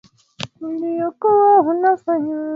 Uliokuwa unafanywa na mtangulizi wake